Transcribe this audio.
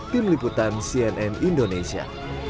tim liputan cnn indonesia